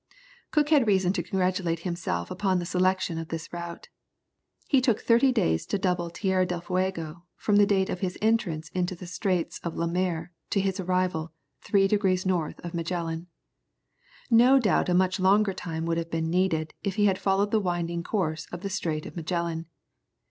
Cook had reason to congratulate himself upon the selection of this route. He took thirty days to double Tierra del Fuego, from the date of his entrance into the Straits of Lemaire to his arrival, three degrees north of Magellan. No doubt a much longer time would have been needed, if he had followed the winding course of the Strait of Magellan.